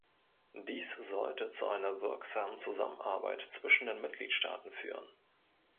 Dies sollte zu einer wirksamen Zusammenarbeit zwischen den Mitgliedstaaten führen.